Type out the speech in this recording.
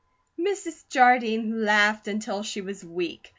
Mrs. Jardine laughed until she was weak.